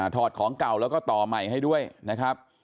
อดของเก่าแล้วก็ต่อใหม่ให้ด้วยนะครับ